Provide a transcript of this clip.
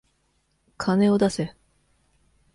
金を出せ。